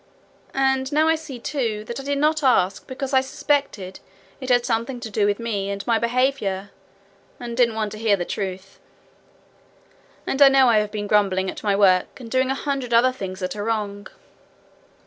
And now I see, too, that I did not ask because I suspected it had something to do with me and my behaviour, and didn't want to hear the truth. And I know I have been grumbling at my work, and doing a hundred other things that are wrong.'